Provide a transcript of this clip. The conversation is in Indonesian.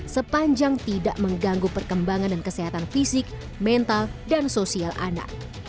sepanjang tidak mengganggu perkembangan dan kesehatan fisik mental dan sosial anak